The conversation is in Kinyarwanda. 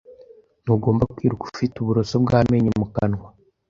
Ntugomba kwiruka ufite uburoso bw'amenyo mu kanwa.